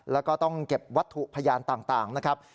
แล้วก็ต้องเก็บวัตถุพยานต่างนะครับ